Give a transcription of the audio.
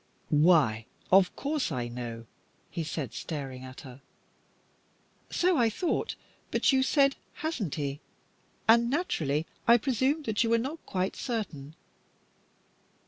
"Why, of course I know," he said, staring at her. "So I thought, but you said 'hasn't he?' And naturally I presumed that you were not quite certain."